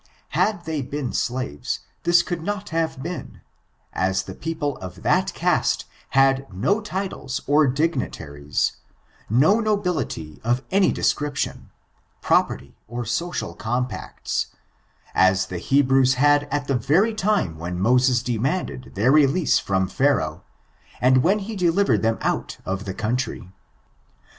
Had they been slaves^ this could not have been, as people of that cast have no titles, or dignitaries, no nobility of any description, property, or social compacts, as the Hebrews had at the very time when Moses demanded their release from Pha raoh, and when he delivered them out of the coun try.